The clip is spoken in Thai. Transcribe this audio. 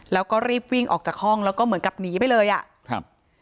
แล้วก็รีบวิ่งออกจากห้องแล้วก็เหมือนกับหนีไปเลยอ่ะครับ